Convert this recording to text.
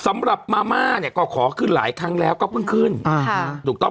สำหรับมาม่าเนี่ยก็ขอขึ้นหลายครั้งแล้วก็เพิ่งขึ้นอ่าฮะถูกต้อง